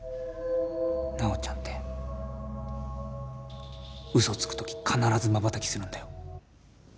直ちゃんって嘘つくとき必ずまばたきするんだよ